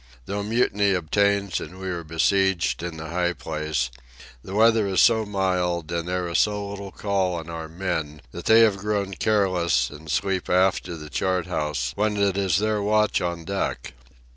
Though mutiny obtains and we are besieged in the high place, the weather is so mild and there is so little call on our men that they have grown careless and sleep aft of the chart house when it is their watch on deck.